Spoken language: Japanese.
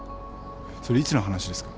それいつの話ですか？